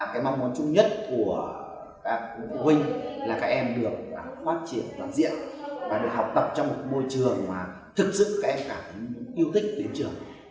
cái mong muốn chung nhất của phụ huynh là các em được phát triển toàn diện và được học tập trong một môi trường mà thực sự các em cảm yêu thích đến trường